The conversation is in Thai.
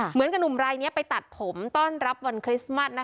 เหมือนกับหนุ่มรายนี้ไปตัดผมต้อนรับวันคริสต์มัส